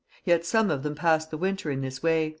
Yet some of them passed the winter in this way.